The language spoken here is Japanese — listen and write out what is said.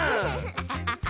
アハハハ！